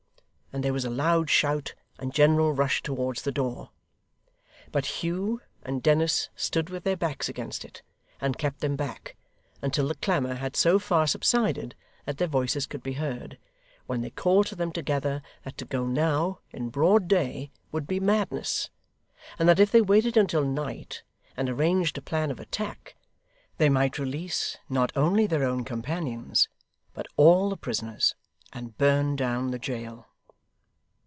and there was a loud shout and general rush towards the door. But Hugh and Dennis stood with their backs against it, and kept them back, until the clamour had so far subsided that their voices could be heard, when they called to them together that to go now, in broad day, would be madness; and that if they waited until night and arranged a plan of attack, they might release, not only their own companions, but all the prisoners, and burn down the jail.